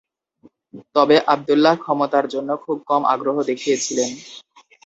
তবে আবদুল্লাহ ক্ষমতার জন্য খুব কম আগ্রহ দেখিয়েছিলেন।